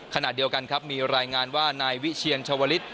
ขณะเดียวกันครับมีรายงานว่านายวิเชียนชาวลิศ